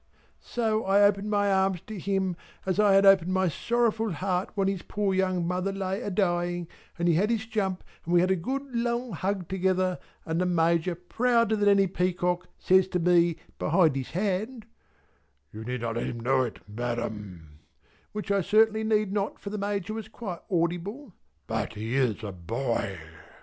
So I opened my arms to him as I had opened my sorrowful heart when his poor young mother lay a dying, and he had his jump and we had a good long hug together and the Major prouder than any peacock says to me behind his hand, "You need not let him know it Madam" (which I certainly need not for the Major was quite audible) "but he is a boy!"